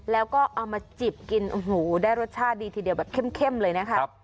แล้วก็เอามาจิบกินโอ้โหได้รสชาติดีทีเดียวแบบเข้มเลยนะครับ